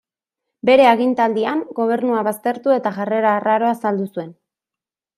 Bere agintaldian, gobernua baztertu eta jarrera arraroa azaldu zuen.